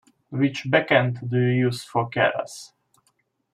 Which backend do you use for Keras?